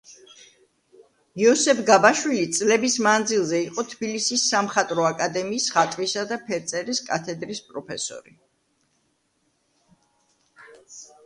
იოსებ გაბაშვილი წლების მანძილზე იყო თბილისის სამხატვრო აკადემიის ხატვისა და ფერწერის კათედრის პროფესორი.